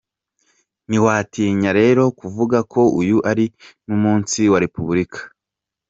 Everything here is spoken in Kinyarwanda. Ntitwatinya rero kuvuga ko uyu ari n’umunsi wa Repubulika.